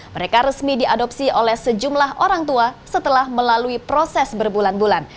mereka resmi diadopsi oleh sejumlah orang tua setelah melalui proses berbulan bulan